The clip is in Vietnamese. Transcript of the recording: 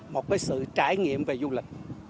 một cái sự trải nghiệm về du lịch